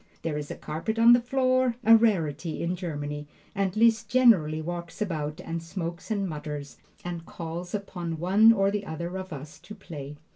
There is a carpet on the floor, a rarity in Germany, and Liszt generally walks about and smokes and mutters, and calls upon one or the other of us to play.